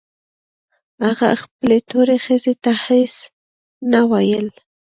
هغه خپلې تورې ښځې ته هېڅ نه ويل.